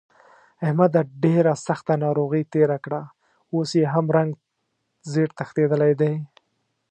احمد ډېره سخته ناروغۍ تېره کړه، اوس یې هم رنګ زېړ تښتېدلی دی.